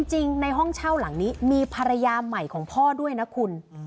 ในห้องเช่าหลังนี้มีภรรยาใหม่ของพ่อด้วยนะคุณ